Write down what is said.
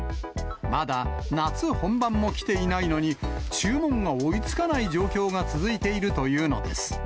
まだ夏本番も来ていないのに、注文が追いつかない状況が続いているというのです。